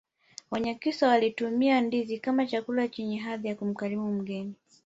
wanyakyusa walitumia ndizi kama chakula chenye hadhi ya kumkarimu mgeni